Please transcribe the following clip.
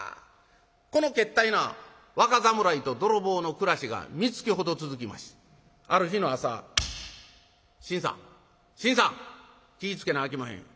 このけったいな若侍と泥棒の暮らしが三月ほど続きましてある日の朝「信さん信さん気ぃ付けなあきまへん」。